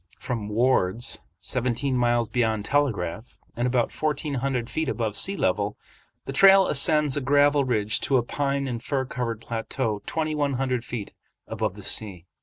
From "Ward's," seventeen miles beyond Telegraph, and about fourteen hundred feet above sea level, the trail ascends a gravel ridge to a pine and fir covered plateau twenty one hundred feet above the sea.